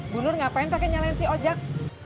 bu nur ngapain pake nyalain si ojak